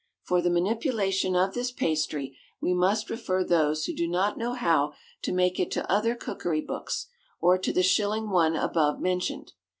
For the manipulation of this pastry we must refer those who do not know how to make it to other cookery books, or to the shilling one above mentioned.